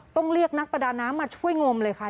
ต้องเรียกนักประดาน้ำมาช่วยงมเลยค่ะ